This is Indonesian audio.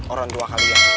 orang tua kalian